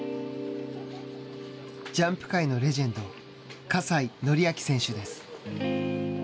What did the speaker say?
ジャンプ界のレジェンド葛西紀明選手です。